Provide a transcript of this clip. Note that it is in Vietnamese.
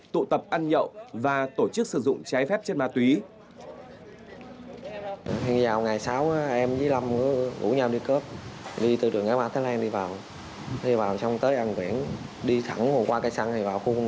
tụ tập ăn nhậu và tổ chức sử dụng trái phép chất ma túy